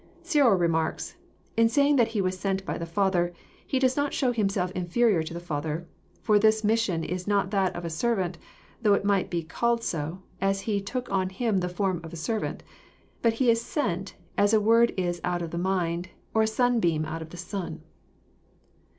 Cyril remarks : *'In saying that He was sent by the Father, He does not show Himself inferior to the Father. For this mis sion is not that of a servant, though it might be called so, as He * took on Him the form of a servant.' But He is * sent,' as a word is out of the mind, or a sunbeam out of the sun."